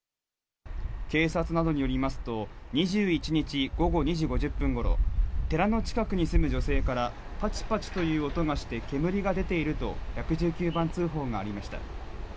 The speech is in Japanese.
警察などによりますと、２１日午後２時５０分ごろ、寺の近くに住む女性からぱちぱちという音がして、煙が出ていると、１１９番通報がありました。